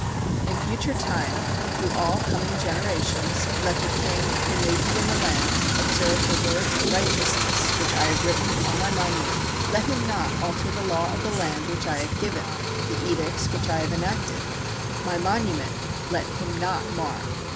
In future time, through all coming generations, let the king, who may be in the land, observe the words of righteousness which I have written on my monument; let him not alter the law of the land which I have given, the edicts which I have enacted; my monument let him not mar.